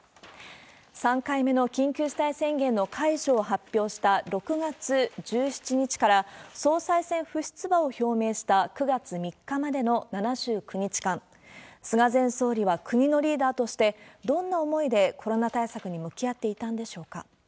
３回目の緊急事態宣言の解除を発表した６月１７日から、総裁選不出馬を表明した９月３日までの７９日間、菅前総理は国のリーダーとして、どんな思いでコロナ対策に向き合っていたんでしょうか。